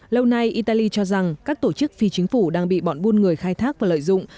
lâu nay italy cho rằng các tổ chức phi chính phủ đang bị bọn buôn người khai thác và lợi dụng